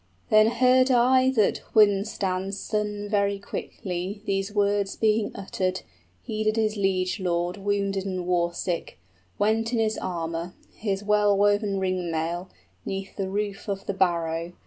} Then heard I that Wihstan's son very quickly, These words being uttered, heeded his liegelord Wounded and war sick, went in his armor, His well woven ring mail, 'neath the roof of the barrow.